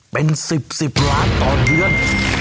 เป็น๑๐๑๐ล้านต่อเดือน